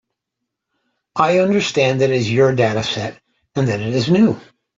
I understand that it is your dataset, and that it is new.